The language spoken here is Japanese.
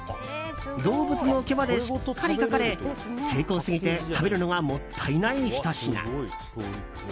動物の毛までしっかり描かれ精巧すぎて食べるのがもったいないひと品。